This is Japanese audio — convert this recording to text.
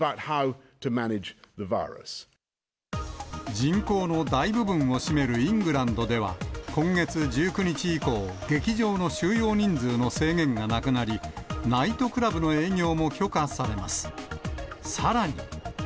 人口の大部分を占めるイングランドでは、今月１９日以降、劇場の収容人数の制限がなくなり、ナイトクラブの営業も許可されます。